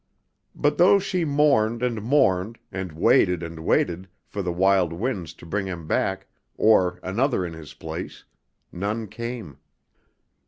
But though she mourned and mourned and waited and waited for the wild winds to bring him back, or another in his place, none came.